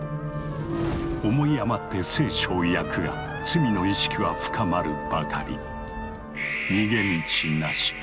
思い余って「聖書」を焼くが罪の意識は深まるばかり。